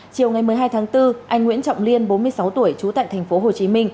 chiều ngày một mươi hai tháng bốn anh nguyễn trọng liên bốn mươi sáu tuổi trú tại tp hcm